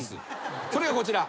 それがこちら。